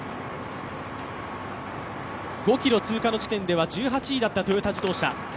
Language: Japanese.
５ｋｍ通過の時点では１８位だったトヨタ自動車。